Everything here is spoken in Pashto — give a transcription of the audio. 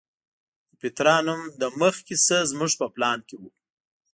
د پیترا نوم له مخکې نه زموږ په پلان کې و.